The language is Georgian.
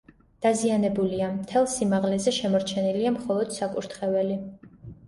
დაზიანებულია, მთელს სიმაღლეზე შემორჩენილია მხოლოდ საკურთხეველი.